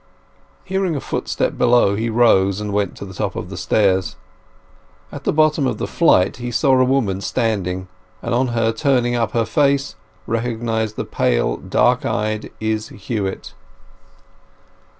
Hearing a footstep below, he rose and went to the top of the stairs. At the bottom of the flight he saw a woman standing, and on her turning up her face recognized the pale, dark eyed Izz Huett.